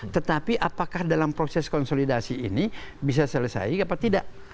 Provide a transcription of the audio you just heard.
tetapi apakah dalam proses konsolidasi ini bisa selesai apa tidak